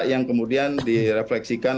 yang kemudian direfleksikan